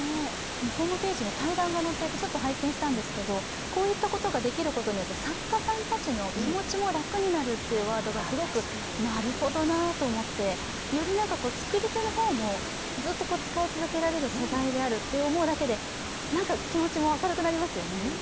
ホームページに対談が載っていて拝見したんですけど、こういったことができることによって、作家さんたちの気持ちも楽になるというのがあって、なるほどなと思って、より作り手の方もずっと作り続けられる素材であることでなんか気持ちも明るくなりますよね。